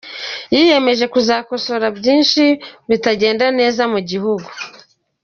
Yiyemeza kuzakosora byinshi bitagenda neza mu gihugu.